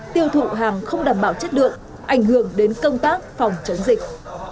tiêu thụ hàng không đảm bảo chất lượng ảnh hưởng đến công tác phòng chống dịch